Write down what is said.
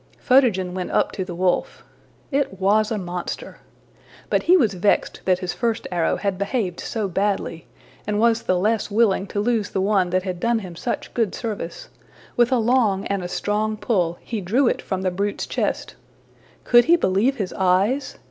'' Photogen went up to the wolf. It was a monster! But he was vexed that his first arrow had behaved so badly, and was the less willing to lose the one that had done him such good service: with a long and a strong pull, he drew it from the brute's chest. Could he believe his eyes?